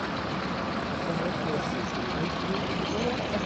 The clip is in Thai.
วงเล็บเหลี่ยม